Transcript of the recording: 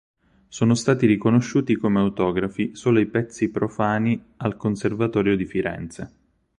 Sono stati riconosciuti come autografi solo i pezzi profani al Conservatorio di Firenze.